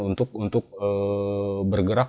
untuk untuk bergerak